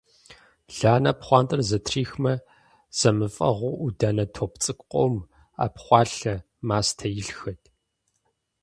Ланэ пхъуантэр зэтрихмэ – зэмыфэгъуу Ӏуданэ топ цӀыкӀу къом, Ӏэпхъуалъэ, мастэ илъхэт.